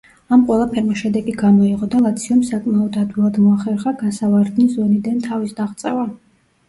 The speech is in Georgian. ამ ყველაფერმა შედეგი გამოიღო და ლაციომ საკმაოდ ადვილად მოახერხა გასავარდნი ზონიდან თავის დაღწევა.